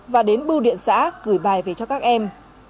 và đến bưu điện xã gửi bài về cho các em